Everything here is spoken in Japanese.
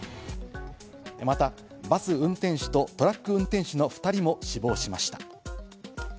また、バス運転手とトラック運転手の２人も死亡しました。